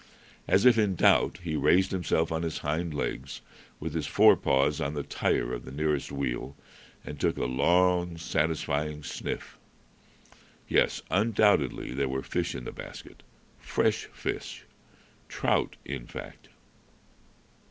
As if in doubt, he raised himself on his hind legs, with his fore paws on the tire of the nearest wheel, and took a long, satisfying sniff. Yes, undoubtedly there were fish in the basket, fresh fish trout, in fact.